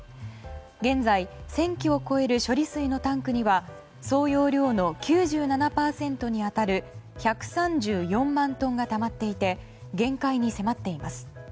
現在、１０００基を超える処理水のタンクには総容量の９７％に当たる１３４万トンがたまっていて限界に迫っています。